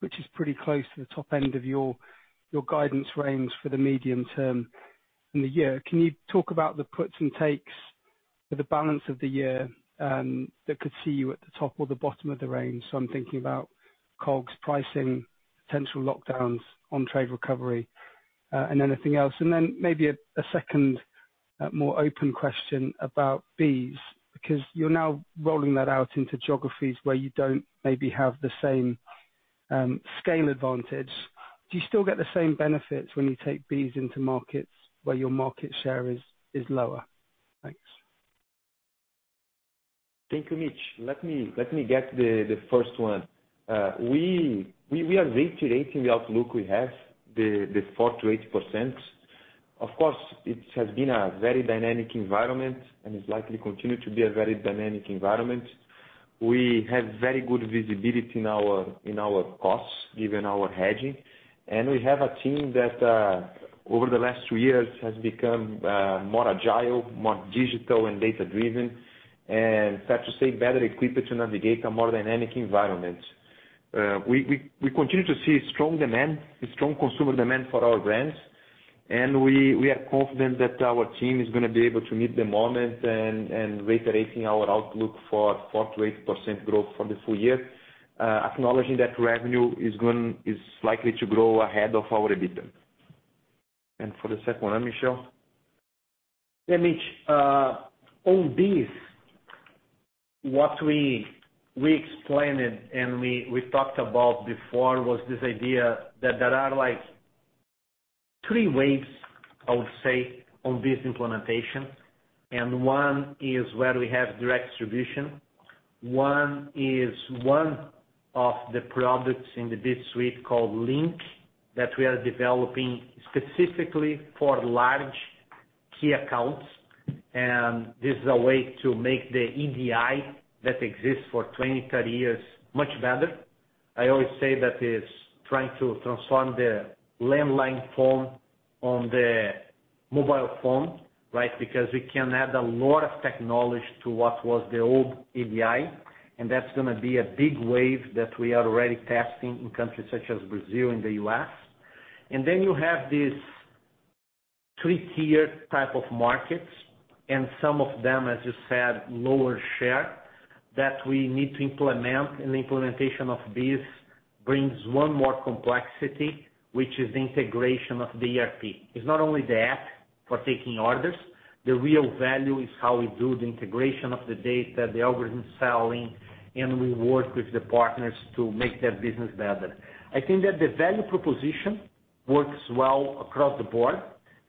which is pretty close to the top end of your guidance range for the medium term in the year. Can you talk about the puts and takes for the balance of the year that could see you at the top or the bottom of the range? I'm thinking about COGS pricing, potential lockdowns on trade recovery, and anything else. Then maybe a second, more open question about BEES, because you're now rolling that out into geographies where you don't maybe have the same scale advantage. Do you still get the same benefits when you take these into markets where your market share is lower? Thanks. Thank you, Mitch. Let me get the first one. We are reiterating the outlook we have, the 4%-8%. Of course, it has been a very dynamic environment and is likely continue to be a very dynamic environment. We have very good visibility in our costs given our hedging, and we have a team that over the last two years has become more agile, more digital and data driven, and fair to say, better equipped to navigate a more dynamic environment. We continue to see strong demand, strong consumer demand for our brands. We are confident that our team is gonna be able to meet the moment and reiterating our outlook for 4%-8% growth for the full year, acknowledging that revenue is likely to grow ahead of our EBITDA. For the second one, Michel. Yeah, Mitch. On this, what we explained and we talked about before was this idea that there are like three ways, I would say, on this implementation. One is where we have direct distribution. One is one of the products in the BEES suite called Link that we are developing specifically for large key accounts. This is a way to make the EDI that exists for 20, 30 years much better. I always say that it's trying to transform the landline phone to the mobile phone, right? Because we can add a lot of technology to what was the old EDI, and that's gonna be a big wave that we are already testing in countries such as Brazil and the U.S. Then you have these three tier type of markets, and some of them, as you said, lower share that we need to implement. The implementation of BEES brings one more complexity, which is the integration of the ERP. It's not only the app for taking orders. The real value is how we do the integration of the data, the algorithmic selling, and we work with the partners to make their business better. I think that the value proposition works well across the board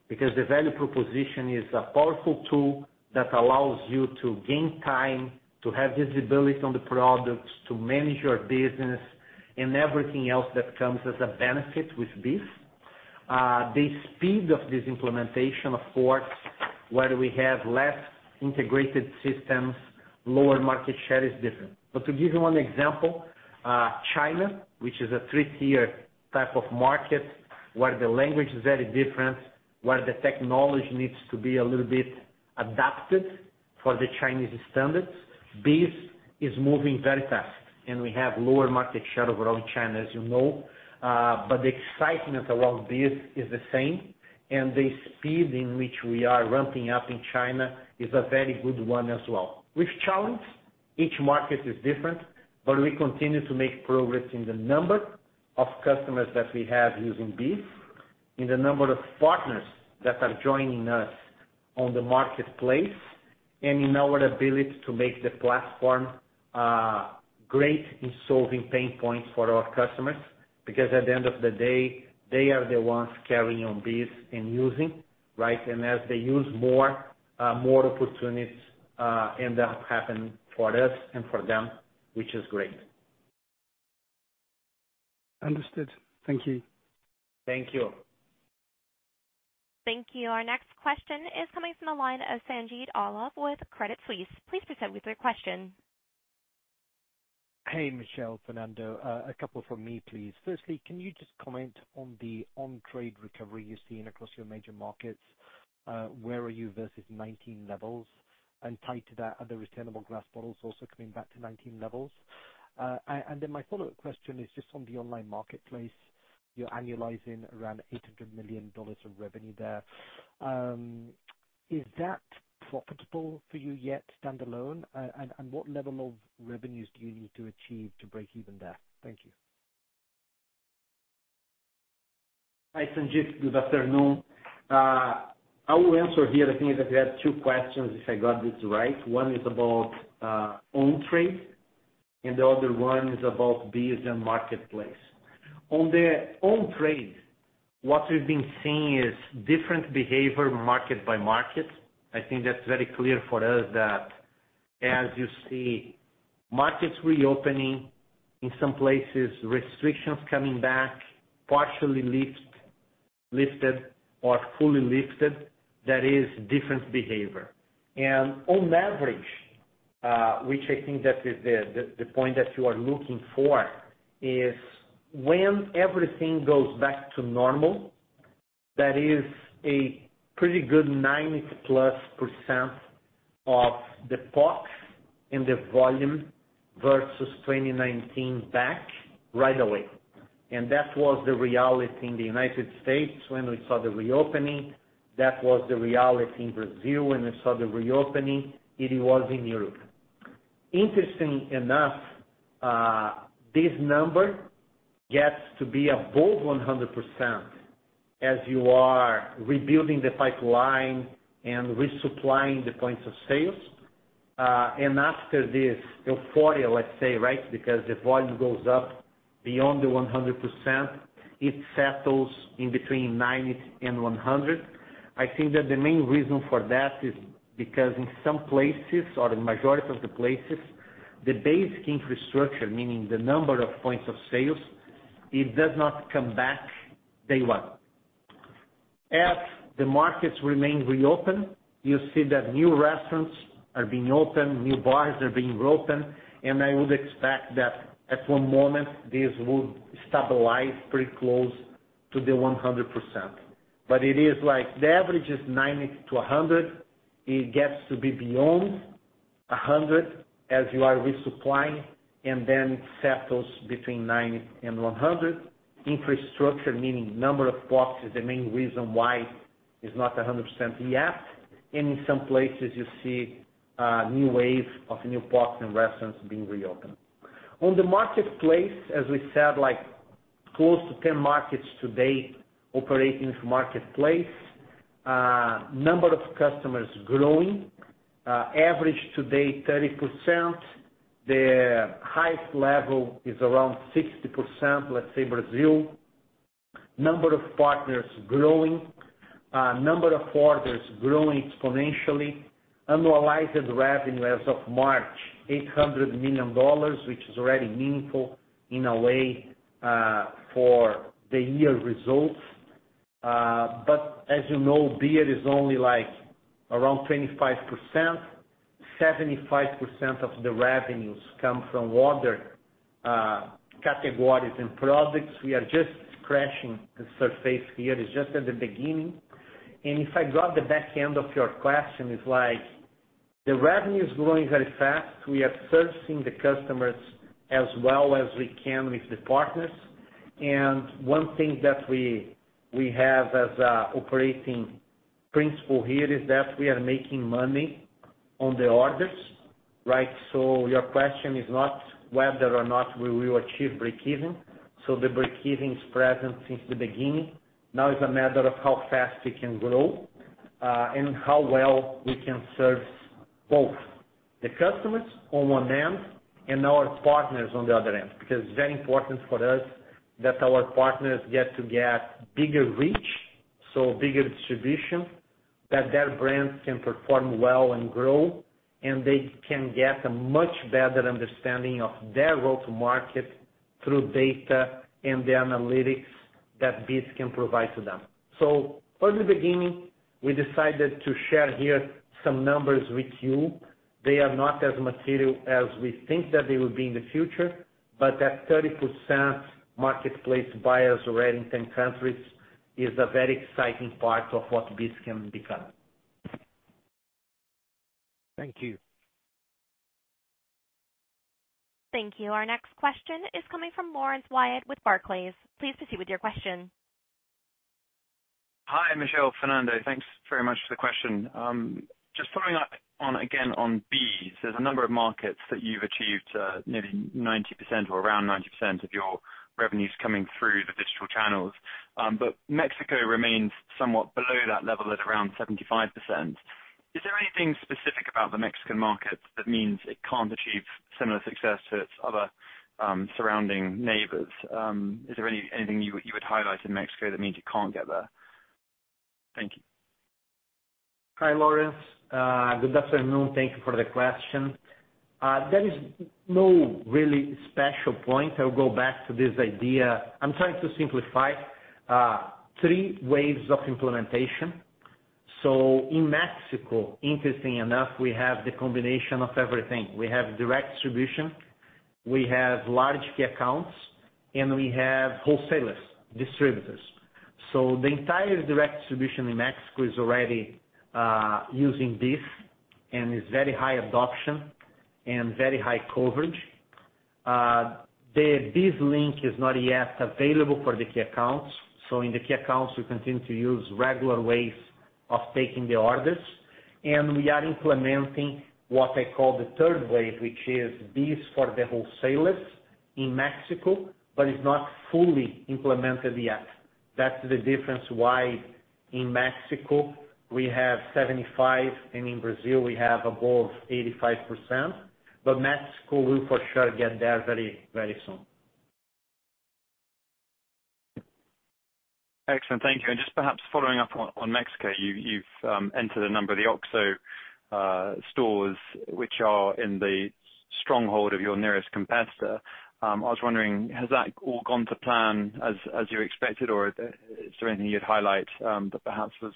because the value proposition is a powerful tool that allows you to gain time, to have visibility on the products, to manage your business and everything else that comes as a benefit with BEES. The speed of this implementation, of course, where we have less integrated systems, lower market share is different. To give you one example, China, which is a three-tier type of market, where the language is very different, where the technology needs to be a little bit adapted for the Chinese standards. BEES is moving very fast, and we have lower market share overall in China, as you know. The excitement around BEES is the same, and the speed in which we are ramping up in China is a very good one as well. With challenges, each market is different, but we continue to make progress in the number of customers that we have using BEES, in the number of partners that are joining us on the marketplace, and in our ability to make the platform great in solving pain points for our customers, because at the end of the day, they are the ones carrying on BEES and using, right? As they use more, more opportunities end up happening for us and for them, which is great. Understood. Thank you. Thank you. Thank you. Our next question is coming from the line of Sanjeet Aujla with Credit Suisse. Please proceed with your question. Hey, Michel, Fernando. A couple from me, please. First, can you just comment on the on-trade recovery you're seeing across your major markets? Where are you versus 2019 levels? Tied to that, are the returnable glass bottles also coming back to 2019 levels? Then my follow-up question is just on the online marketplace. You're annualizing around $800 million of revenue there. Is that profitable for you yet standalone? And what level of revenues do you need to achieve to break even there? Thank you. Hi, Sanjeet. Good afternoon. I will answer here. I think that you had two questions, if I got this right. One is about on trade, and the other one is about BEES and marketplace. On the on trade, what we've been seeing is different behavior market by market. I think that's very clear for us that as you see markets reopening, in some places restrictions coming back, partially lifted or fully lifted, there is different behavior. On average, which I think that is the point that you are looking for is when everything goes back to normal, that is a pretty good 90%+ of the packs and the volume versus 2019 back right away. That was the reality in the United States when we saw the reopening. That was the reality in Brazil when we saw the reopening. It was in Europe. Interesting enough, this number gets to be above 100% as you are rebuilding the pipeline and resupplying the points of sales. After this euphoria, let's say, right, because the volume goes up beyond the 100%, it settles in between 90% and 100%. I think that the main reason for that is because in some places or in majority of the places, the basic infrastructure, meaning the number of points of sales, it does not come back day one. As the markets remain reopened, you see that new restaurants are being opened, new bars are being opened, and I would expect that at one moment this would stabilize pretty close to the 100%. It is like the average is 90%-100%. It gets to be beyond 100% as you are resupplying and then settles between 90% and 100%. Infrastructure, meaning number of boxes, the main reason why is not 100% yet. In some places you see new wave of new parks and restaurants being reopened. On the marketplace, as we said, like close to 10 markets today operating marketplace. Number of customers growing, average today 30%. The highest level is around 60%, let's say Brazil. Number of partners growing. Number of orders growing exponentially. Annualized revenue as of March, $800 million, which is already meaningful in a way, for the year results. But as you know, beer is only like around 25%. 75% of the revenues come from other categories and products. We are just scratching the surface here. It's just at the beginning. If I got the back end of your question, it's like the revenue is growing very fast. We are servicing the customers as well as we can with the partners. One thing that we have as a operating principle here is that we are making money on the orders, right? Your question is not whether or not we will achieve breakeven. The breakeven is present since the beginning. Now it's a matter of how fast it can grow, and how well we can serve both the customers on one end and our partners on the other end. Because it's very important for us that our partners get bigger reach, so bigger distribution, that their brands can perform well and grow, and they can get a much better understanding of their go-to-market through data and the analytics that BEES can provide to them. From the beginning, we decided to share here some numbers with you. They are not as material as we think that they will be in the future, but that 30% marketplace buyers already in 10 countries is a very exciting part of what BEES can become. Thank you. Thank you. Our next question is coming from Laurence Whyatt with Barclays. Please proceed with your question. Hi, Michel, Fernando. Thanks very much for the question. Just following up on again, on BEES, there's a number of markets that you've achieved nearly 90% or around 90% of your revenues coming through the digital channels. But Mexico remains somewhat below that level at around 75%. Is there anything specific about the Mexican market that means it can't achieve similar success to its other surrounding neighbors? Is there anything you would highlight in Mexico that means you can't get there? Thank you. Hi, Laurence. Good afternoon. Thank you for the question. There is no really special point. I'll go back to this idea. I'm trying to simplify three waves of implementation. In Mexico, interesting enough, we have the combination of everything. We have direct distribution, we have large key accounts, and we have wholesalers, distributors. The entire direct distribution in Mexico is already using this, and it's very high adoption and very high coverage. The BEES link is not yet available for the key accounts. In the key accounts, we continue to use regular ways of taking the orders, and we are implementing what I call the third wave, which is BEES for the wholesalers in Mexico, but it's not fully implemented yet. That's the difference why in Mexico we have 75% and in Brazil we have above 85%. Mexico will for sure get there very, very soon. Excellent. Thank you. Just perhaps following up on Mexico, you've entered a number of the OXXO stores which are in the stronghold of your nearest competitor. I was wondering, has that all gone to plan as you expected, or is there anything you'd highlight that perhaps was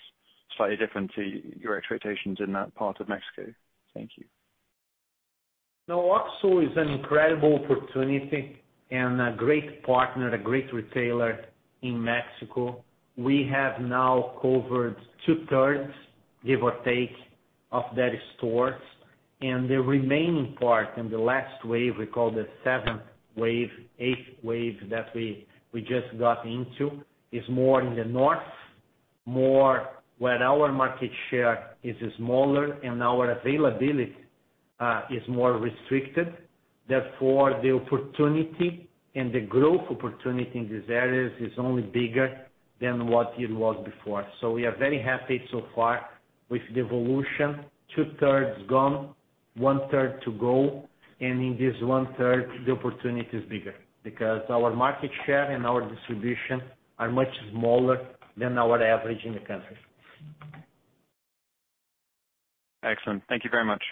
slightly different to your expectations in that part of Mexico? Thank you. No, OXXO is an incredible opportunity and a great partner, a great retailer in Mexico. We have now covered 2/3, give or take, of their stores, and the remaining part in the last wave, we call the seventh wave, eighth wave that we just got into, is more in the north, more where our market share is smaller and our availability is more restricted. Therefore, the opportunity and the growth opportunity in these areas is only bigger than what it was before. We are very happy so far with the evolution. 2/3 gone, 1/3 to go. In this 1/3, the opportunity is bigger because our market share and our distribution are much smaller than our average in the country. Excellent. Thank you very much.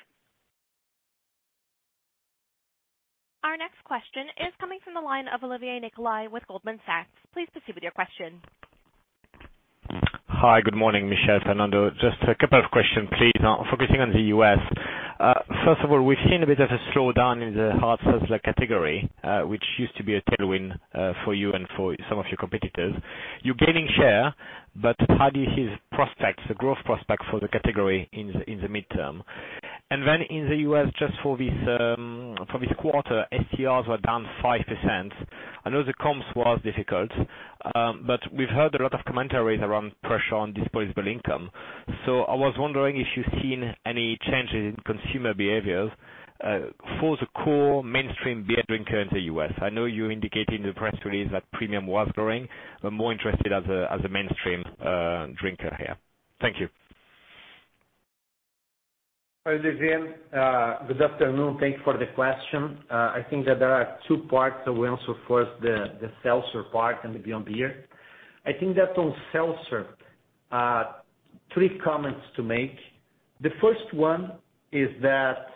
Our next question is coming from the line of Olivier Nicolai with Goldman Sachs. Please proceed with your question. Hi. Good morning, Michel Doukeris, Fernando Tennenbaum. Just a couple of questions, please. Focusing on the U.S. First of all, we've seen a bit of a slowdown in the hard seltzer category, which used to be a tailwind for you and for some of your competitors. You're gaining share, but how do you see the prospects, the growth prospects for the category in the medium term? In the U.S. just for this quarter, STRs were down 5%. I know the comps was difficult, but we've heard a lot of commentary around pressure on disposable income. I was wondering if you've seen any changes in consumer behaviors for the core mainstream beer drinker in the U.S. I know you indicated in the press release that premium was growing. I'm more interested as a mainstream drinker here. Thank you. Olivier, good afternoon. Thanks for the question. I think that there are two parts that will answer first the seltzer part and the beyond beer. I think that on seltzer, three comments to make. The first one is that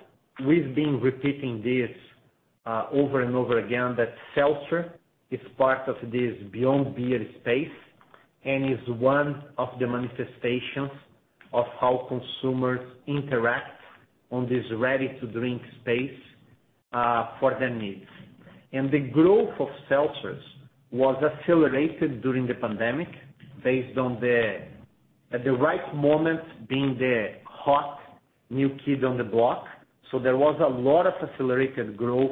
we've been repeating this, over and over again, that seltzer is part of this beyond beer space and is one of the manifestations of how consumers interact on this ready-to-drink space, for their needs. The growth of seltzers was accelerated during the pandemic based on the at the right moment being the hot new kid on the block. There was a lot of accelerated growth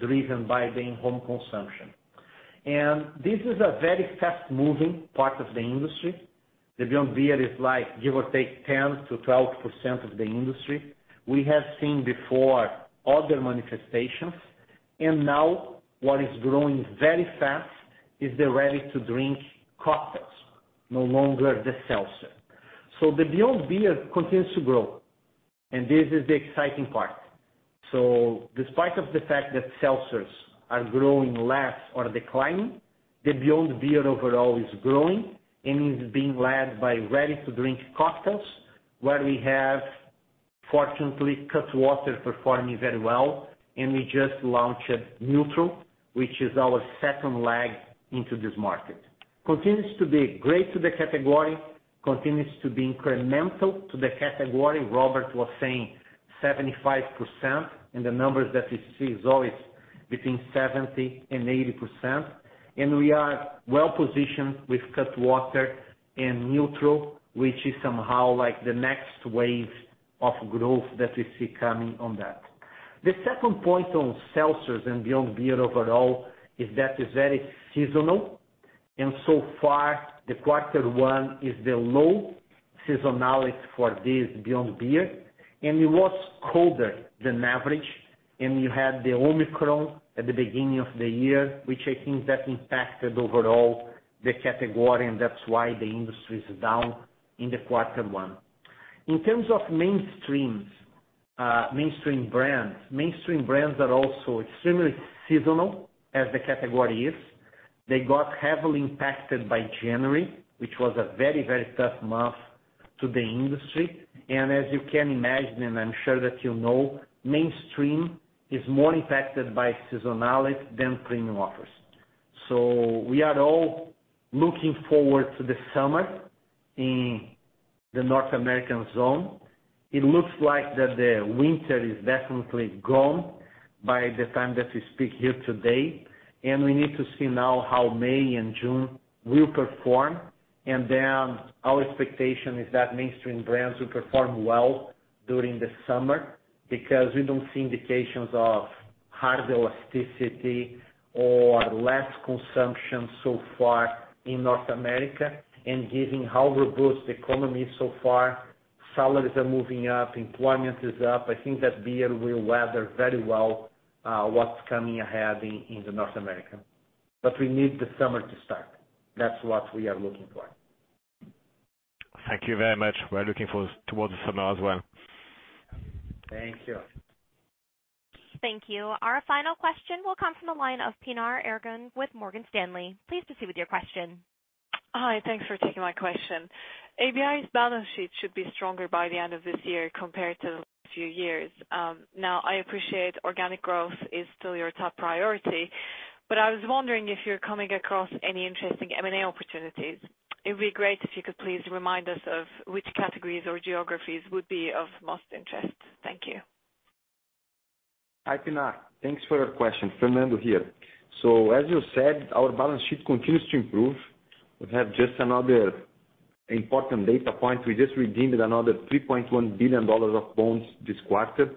driven by the in-home consumption. This is a very fast-moving part of the industry. The beyond beer is like give or take 10%-12% of the industry. We have seen before other manifestations. Now what is growing very fast is the ready-to-drink cocktails, no longer the seltzer. The beyond beer continues to grow, and this is the exciting part. Despite of the fact that seltzers are growing less or declining, the beyond beer overall is growing and is being led by ready-to-drink cocktails, where we have fortunately Cutwater performing very well, and we just launched NÜTRL, which is our second leg into this market. Continues to be great to the category, continues to be incremental to the category. Robert was saying 75%, and the numbers that we see is always between 70% and 80%. We are well positioned with Cutwater and NÜTRL, which is somehow like the next wave of growth that we see coming on that. The second point on seltzers and beyond beer overall is that it's very seasonal. Far the quarter one is the low seasonality for this beyond beer. It was colder than average. You had the Omicron at the beginning of the year, which I think that impacted overall the category, and that's why the industry is down in the quarter one. In terms of mainstreams, mainstream brands are also extremely seasonal as the category is. They got heavily impacted by January, which was a very, very tough month to the industry. As you can imagine, and I'm sure that you know, mainstream is more impacted by seasonality than premium offers. We are all looking forward to the summer in the North America Zone. It looks like that the winter is definitely gone by the time that we speak here today, and we need to see now how May and June will perform. Then our expectation is that mainstream brands will perform well during the summer because we don't see indications of higher elasticity or less consumption so far in North America. Given how robust the economy is so far, salaries are moving up, employment is up. I think that beer will weather very well, what's coming ahead in the North America. We need the summer to start. That's what we are looking for. Thank you very much. We're looking forward to the summer as well. Thank you. Thank you. Our final question will come from the line of Pinar Ergun with Morgan Stanley. Please proceed with your question. Hi. Thanks for taking my question. ABI's balance sheet should be stronger by the end of this year compared to the last few years. Now, I appreciate organic growth is still your top priority, but I was wondering if you're coming across any interesting M&A opportunities. It'd be great if you could please remind us of which categories or geographies would be of most interest. Thank you. Hi, Pinar. Thanks for your question. Fernando here. As you said, our balance sheet continues to improve. We have just another important data point. We just redeemed another $3.1 billion of bonds this quarter,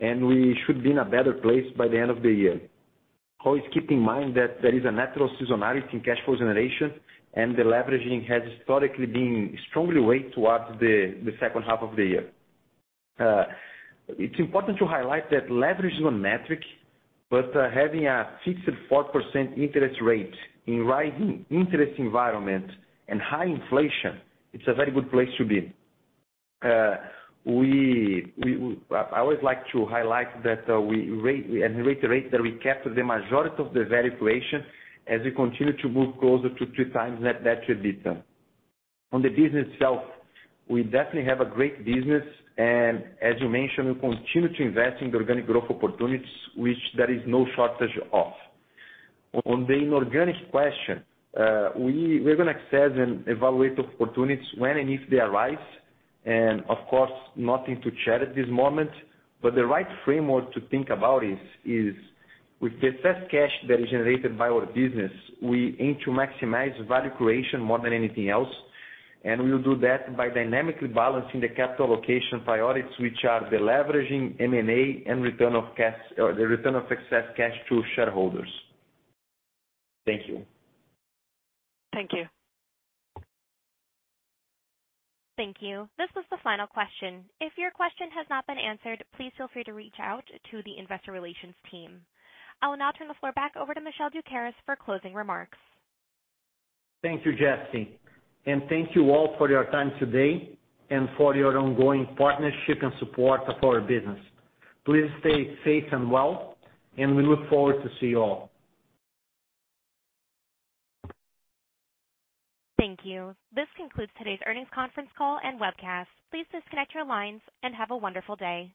and we should be in a better place by the end of the year. Always keep in mind that there is a natural seasonality in cash flow generation, and the leveraging has historically been strongly weighted towards the second half of the year. It's important to highlight that leverage is one metric, but having a fixed 4% interest rate in rising interest environment and high inflation, it's a very good place to be. I always like to highlight that at the rate that we capture the majority of the value creation as we continue to move closer to 3x net debt to EBITDA. On the business itself, we definitely have a great business, and as you mentioned, we continue to invest in the organic growth opportunities, which there is no shortage of. On the inorganic question, we're gonna assess and evaluate opportunities when and if they arise, and of course, nothing to share at this moment. The right framework to think about is with the excess cash that is generated by our business, we aim to maximize value creation more than anything else. We will do that by dynamically balancing the capital allocation priorities, which are the leveraging M&A and return of cash, or the return of excess cash to shareholders. Thank you. Thank you. Thank you. This was the final question. If your question has not been answered, please feel free to reach out to the investor relations team. I will now turn the floor back over to Michel Doukeris for closing remarks. Thank you, Jesse, and thank you all for your time today and for your ongoing partnership and support of our business. Please stay safe and well, and we look forward to see you all. Thank you. This concludes today's earnings conference call and webcast. Please disconnect your lines and have a wonderful day.